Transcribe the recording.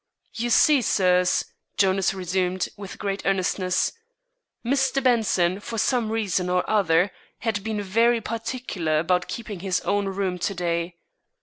"You see, sirs," Jonas resumed, with great earnestness, "Mr. Benson, for some reason or other, had been very particular about keeping his own room to day.